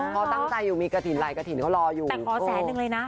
พอตั้งใจอยู่มีกระถิ่นหลายกระถิ่นเขารออยู่แต่ขอแสนนึงเลยนะ